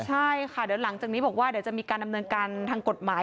ใช่ค่ะเดี๋ยวหลังจากนี้บอกว่าเดี๋ยวจะมีการดำเนินการทางกฎหมาย